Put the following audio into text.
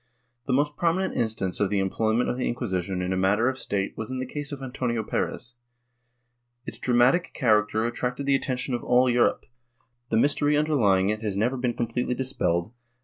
The most prominent instance of the employment of the Inquisi tion in a matter of State was in the case of Antonio Perez. Its dramatic character attracted the attention of all Europe; the mystery underlying it has never been completely dispelled, and ' Danvila y Collado, La Gennania de Valencia, pp.